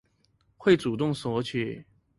會主動索取